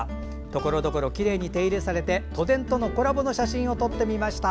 ところどころきれいに手入れされて都電とのコラボの写真撮ってみました。